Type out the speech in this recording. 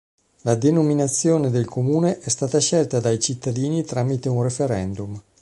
La denominazione del comune è stata scelta dai cittadini tramite un referendum.